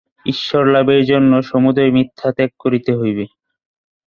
ঈশ্বরলাভের জন্য সমুদয় মিথ্যা ত্যাগ করিতে হইবে।